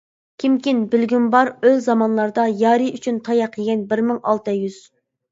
كىمكىن، بىلگۈم بار ئۆل زامانلاردا، يارى ئۈچۈن تاياق يېگەن بىر مىڭ ئالتە يۈز!